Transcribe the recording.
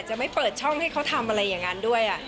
จะไม่เปิดช่องให้เขาทำอะไรอย่างนั้นด้วย